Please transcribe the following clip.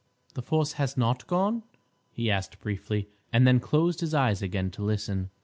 The force has not gone?" he asked briefly, and then closed his eyes again to listen.